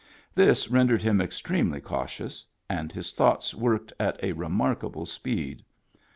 This rendered him extremely cautious, and his thoughts worked at a remarkable speed.